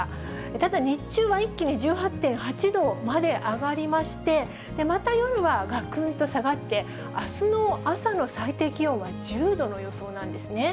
ただ、日中は一気に１８．８度まで上がりまして、また夜はがくんと下がって、あすの朝の最低気温は１０度の予想なんですね。